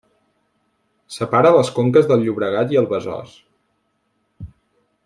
Separa les conques del Llobregat i el Besòs.